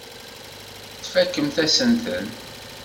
Tfakemt-asen-ten.